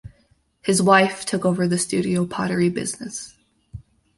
His wife took over the studio pottery business.